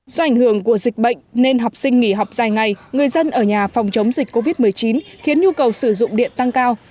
do ảnh hưởng của dịch bệnh nên học sinh nghỉ học dài ngày người dân ở nhà phòng chống dịch covid một mươi chín khiến nhu cầu sử dụng điện tăng cao